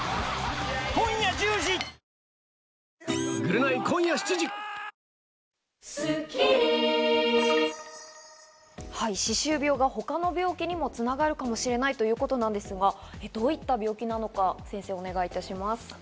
例えば糖尿病、歯周病が他の病気にも繋がるかもしれないということなんですが、どういった病気なのか、先生、お願いいたします。